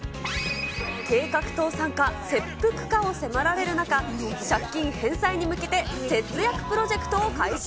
計画倒産か、切腹かを迫られる中、借金返済に向けて節約プロジェクトを開始。